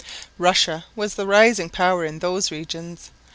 Russia was the rising power in those regions.